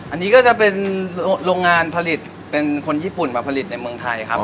อันนี้ก็จะเป็นโรงงานผลิตเป็นคนญี่ปุ่นมาผลิตในเมืองไทยครับ